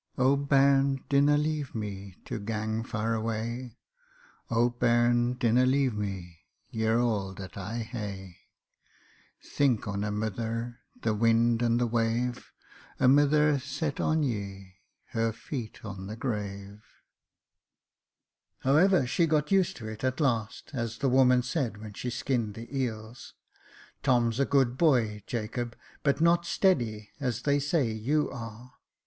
" O bairn, dinna leave me, to gang far away, O bairn, dinna leave me, ye're ail that I hae, Think on a mither, the wind and the wave, A mither set on ye, her feet on the grave, " However, she got used to it at last, as the woman said when she skinned the eels. Tom's a good boy, Jacob, but not steady, as they say you are.